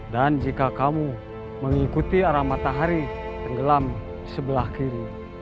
dan jika kamu mengikuti arah matahari yang tenggelam sebelah kiri